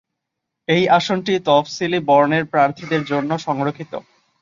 এই আসনটি তফসিলি বর্ণের প্রার্থীদের জন্য সংরক্ষিত।